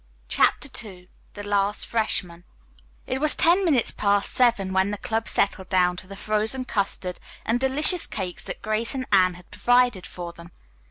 CHAPTER II THE LAST FRESHMAN It was ten minutes past seven when the club settled down to the frozen custard and delicious cakes that Grace and Anne had provided for them.